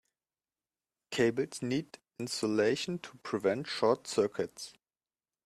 Cables need insulation to prevent short circuits.